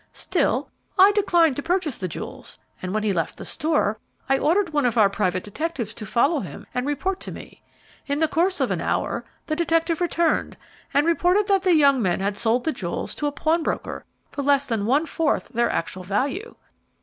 Still, I declined to purchase the jewels; and when he left the store I ordered one of our private detectives to follow him and report to me. In the course of an hour the detective returned and reported that the young man had sold the jewels to a pawnbroker for less than one fourth their actual value.